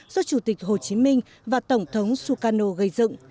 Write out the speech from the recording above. do chủ tịch hồ chí minh và tổng thống sukano gây dựng